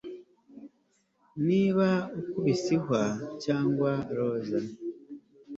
niba ukubise ihwa cyangwa roza